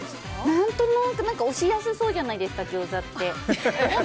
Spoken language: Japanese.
何となく押しやすそうじゃないですかギョーザって。